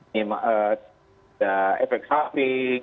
ini efek samping